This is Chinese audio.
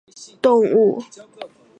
澳洲白尾鼠属等之数种哺乳动物。